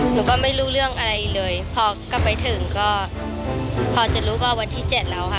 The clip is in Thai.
หนูก็ไม่รู้เรื่องอะไรเลยพอกลับไปถึงก็พอจะรู้ก็วันที่เจ็ดแล้วค่ะ